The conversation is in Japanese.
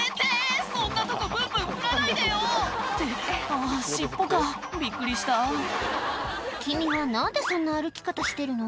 あぁ尻尾かびっくりした君は何でそんな歩き方してるの？